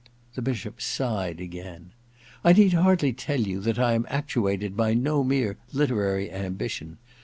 * The Bishop sighed again. * I need hardly tell you that I am actuated by no mere literary ambition.